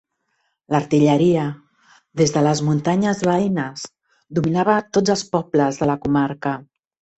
L'artilleria, des de les muntanyes veïnes, dominava tots els pobles de la comarca.